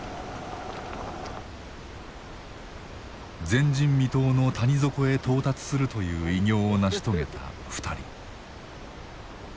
前人未踏の谷底へ到達するという偉業を成し遂げた２人。